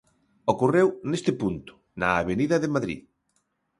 Ocorreu neste punto, na Avenida de Madrid.